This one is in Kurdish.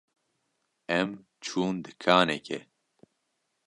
Em çûn dikanekê.